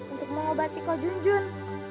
untuk mengobati kau junjun